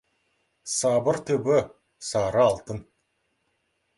Сабыр түбі — сары алтын.